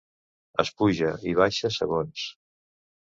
Es puja i baixa, segons.